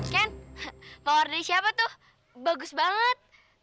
kan mawar dari siapa tuh bagus banget